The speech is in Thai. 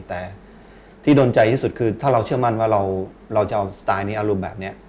แต่ที่โดนใจที่สุดคือถ้าเราเชื่อมั่นว่าเราจะเอาสไตล์นี้อารมณ์แบบนี้